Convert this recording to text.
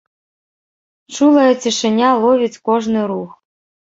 Чулая цішыня ловіць кожны рух.